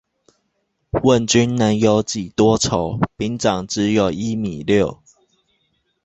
問君能有幾多愁，兵長只有一米六